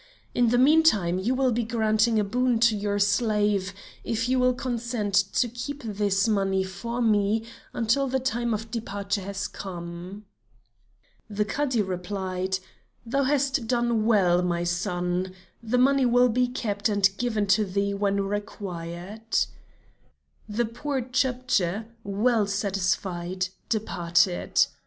In the meantime you will be granting a boon to your slave, if you will consent to keep this money for me until the time for departure has come." The Cadi replied: "Thou hast done well, my son; the money will be kept and given to thee when required." The poor Chepdji, well satisfied, departed.